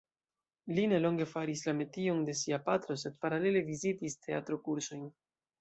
Li nelonge faris la metion de sia patro sed paralele vizitis teatro-kursojn.